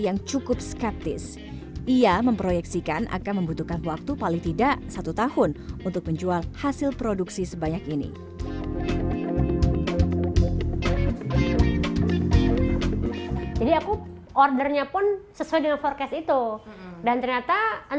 jangan lupa untuk beri dukungan di kolom komentar